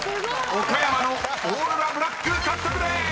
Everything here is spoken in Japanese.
［岡山のオーロラブラック獲得でーす！］